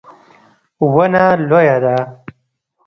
ونه لویه ده